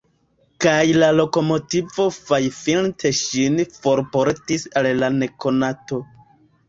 Kaj la lokomotivo fajfinte ŝin forportis al la nekonato.